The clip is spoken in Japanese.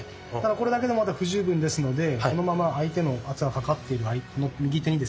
これだけでもまだ不十分ですのでこのまま相手の圧がかかっているこの右手にですね。